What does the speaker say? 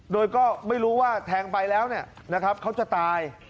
โดยก็ไม่รู้ว่าแทงไปแล้วเขาจะตาย